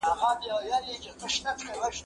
زه کولای شم منډه ووهم!؟